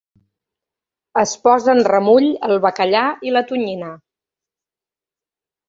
Es posa en remull el bacallà i la tonyina.